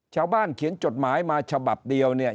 ชาวบ้านเขียนจดหมายมาฉบับเดียวเนี่ย